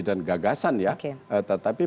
dan gagasan ya tetapi